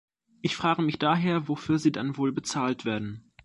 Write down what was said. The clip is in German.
Ich frage mich daher, wofür sie dann wohl bezahlt werden.